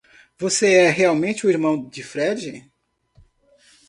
Você é realmente irmão de Fred?